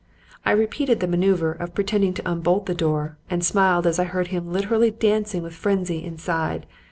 I repeated the manoeuvre of pretending to unbolt the door, and smiled as I heard him literally dancing with frenzy inside.